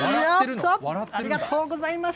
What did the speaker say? ありがとうございます。